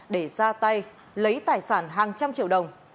để ra tay lấy tài sản hàng trăm triệu đồng